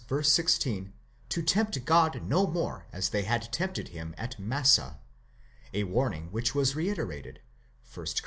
16 to tempt God no more as they had tempted him at Massah ; a warning which was reiterated 1 Cor.